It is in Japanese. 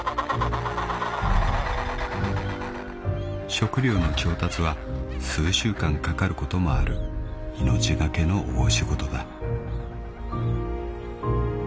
［食料の調達は数週間かかることもある命懸けの大仕事だ］